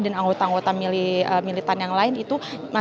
dan anggota anggota militan yang lain itu